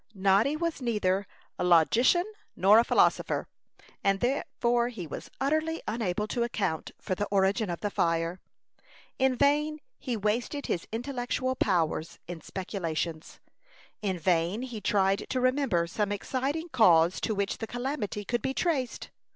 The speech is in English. Noddy was neither a logician nor a philosopher; and therefore he was utterly unable to account for the origin of the fire. In vain he wasted his intellectual powers in speculations; in vain he tried to remember some exciting cause to which the calamity could be traced.